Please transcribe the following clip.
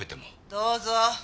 どうぞ。